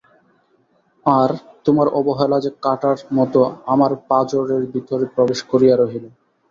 আর, তোমার অবহেলা যে কাঁটার মতো আমার পাঁজরের ভিতরে প্রবেশ করিয়া রহিল।